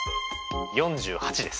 ４８です。